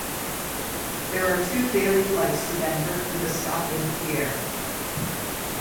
There are two daily flights to Denver, with a stop in Pierre.